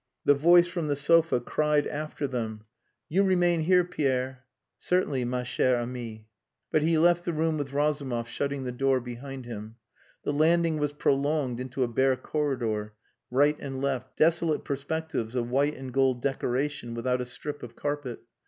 The voice from the sofa cried after them "You remain here, Pierre." "Certainly, ma chere amie." But he left the room with Razumov, shutting the door behind him. The landing was prolonged into a bare corridor, right and left, desolate perspectives of white and gold decoration without a strip of carpet.